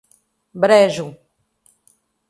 Brejo